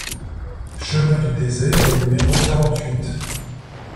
Chemin du Désert au numéro quarante-huit